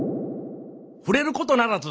触れることならず。